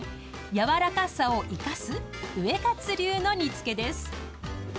柔らかさをイカす、ウエカツ流の煮つけです。